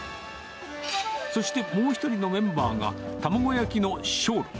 そしてもう１人のメンバーが、玉子焼きの松露。